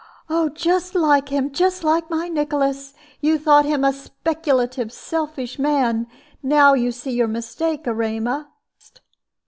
"Just like him. Just like my Nicholas. You thought him a speculative, selfish man. Now you see your mistake, Erema."